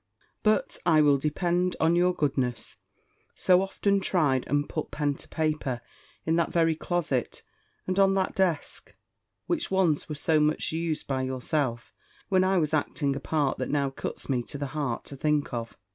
But I will depend on your goodness, so often tried; and put pen to paper, in that very closet, and on that desk, which once were so much used by yourself, when I was acting a part that now cuts me to the heart to think of.